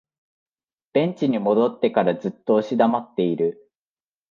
ベンチに戻ってからずっと押し黙っている